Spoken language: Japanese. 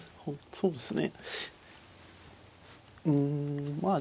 そうですね。